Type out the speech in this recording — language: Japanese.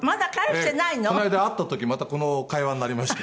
この間会った時またこの会話になりまして。